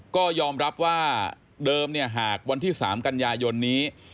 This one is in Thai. ก็ยอมรับว่าเดิมหากวันที่๓กันยายนนี้